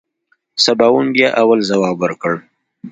سباوون بيا اول ځواب ورکړ.